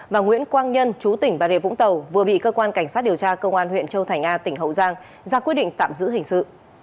và nguyễn quang nhân chú tỉnh bà rịa vũng tàu vừa bị cơ quan cảnh sát điều tra công an huyện châu thành a tỉnh hậu giang ra quyết định tạm giữ hình sự